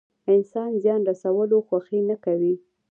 انسان زيان رسولو خوښي نه کوي.